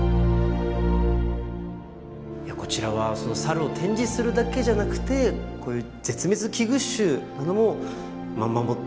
こちらはサルを展示するだけじゃなくてこういう絶滅危惧種なども守っているということなんですね。